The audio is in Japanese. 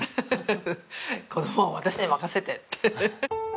「子供は私に任せて」って。